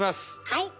はい。